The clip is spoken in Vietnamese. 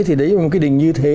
thì đấy là một cái đỉnh như thế